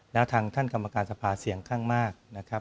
และทางท่านกรรมการทรภาเสี่ยงข้างมาก